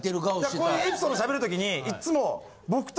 こういうエピソードしゃべる時にいっつも。